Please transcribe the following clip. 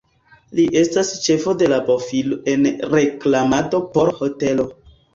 Li estas ĉefo de la bofilo en reklamado por hotelo.